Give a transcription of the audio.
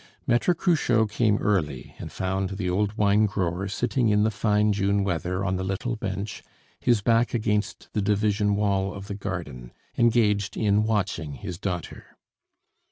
Maitre Cruchot came early, and found the old wine grower sitting in the fine June weather on the little bench, his back against the division wall of the garden, engaged in watching his daughter.